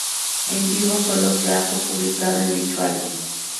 En vivo, sólo se ha publicado en dicho álbum.